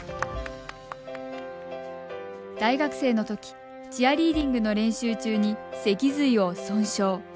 大学生のときチアリーディングの練習中に脊髄を損傷。